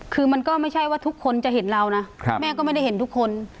คือมันก็ไม่ใช่ว่าทุกคนจะเห็นเรานะแม่ก็ไม่ได้เห็นทุกคน